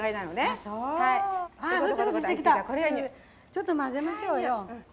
ちょっと混ぜましょうよ。